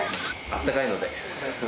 あったかいので。